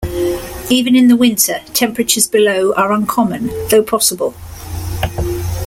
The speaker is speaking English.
Even in the winter, temperatures below are uncommon, though possible.